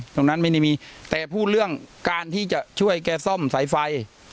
ตรงนั้นไม่ได้มีแต่พูดเรื่องการที่จะช่วยแกซ่อมสายไฟ